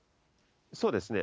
そうですね。